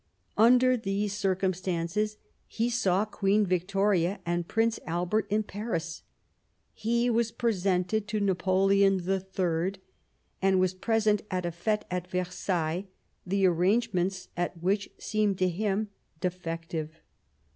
Under these circumstances he saw Queen Victoria and Prince Albert in Paris ; he was presented to Napoleon III, and was present at a fete at Versailles, the arrange ments at which seemed to him defective.